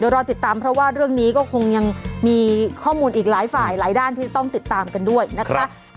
รอติดตามเพราะว่าเรื่องนี้ก็คงยังมีข้อมูลอีกหลายฝ่ายหลายด้านที่ต้องติดตามกันด้วยนะคะ